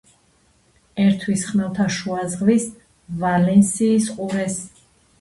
ერთვის ხმელთაშუა ზღვის ვალენსიის ყურეს.